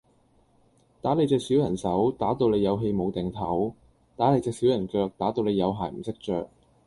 打你隻小人手，打到你有氣無定唞；打你隻小人腳，打到你有鞋唔識着！